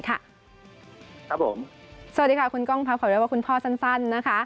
สวัสดีค่ะคุณก้องพบขอบคุณพ่อสั้น